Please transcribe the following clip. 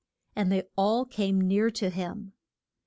And they all came near to him.